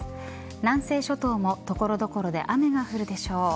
南西諸島も所々で雨が降るでしょう。